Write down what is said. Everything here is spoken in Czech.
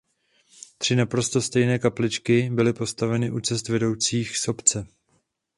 Tři naprosto stejné kapličky byly postaveny u cest vedoucích z obce.